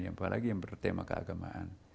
apalagi yang bertema keagamaan